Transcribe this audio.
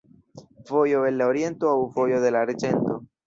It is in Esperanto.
Vojo el la Oriento aŭ vojo de la arĝento.